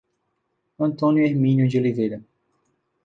Antônio Herminio de Oliveira